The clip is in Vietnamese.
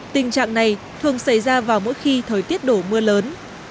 tình trạng này thường xảy ra vào mỗi khi thời tiết đổ mưa lớn